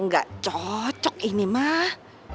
nggak cocok ini mah